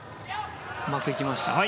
うまくいきました。